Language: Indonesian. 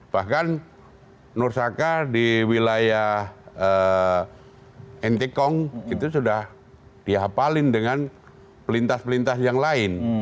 bahkan nur saka di wilayah ntkong itu sudah dihapalin dengan pelintas pelintas yang lain